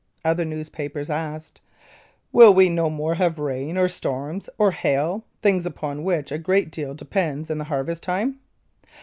Other newspapers asked: "Will we no more have rain, or storms, or hail things upon which a great deal depends in the harvest time?"